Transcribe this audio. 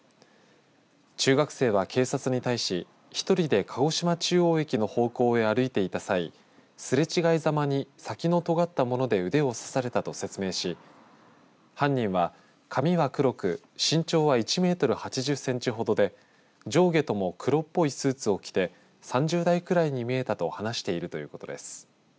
中学生は警察に対し１人で鹿児島中央駅の方向へ歩いていた際すれ違いざまに先のとがったもので腕を刺されたと説明し犯人は髪は黒く身長は１メートル８０センチほどで上下とも黒っぽいスーツを着て３０代くらいに見えたと話しているということです。